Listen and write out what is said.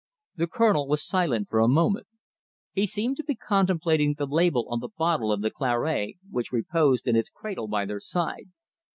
The Colonel was silent for a moment. He seemed to be contemplating the label on the bottle of claret which reposed in its cradle by their side.